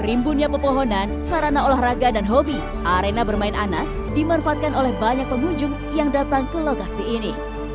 rimbunnya pepohonan sarana olahraga dan hobi arena bermain anak dimanfaatkan oleh banyak pengunjung yang datang ke lokasi ini